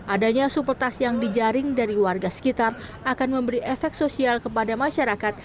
adanya supeltas yang dijaring dari warga sekitar akan memberi efek sosial kepada masyarakat